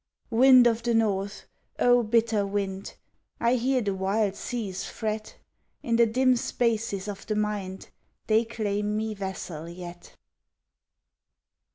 Wind of the North! O bitter wind, I hear the wild seas fret In the dim spaces of the mind They claim me vassal yet!